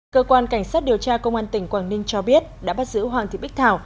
cơ quan cảnh sát điều tra công an tỉnh quảng ninh cho biết đã bắt giữ hoàng thị bích thảo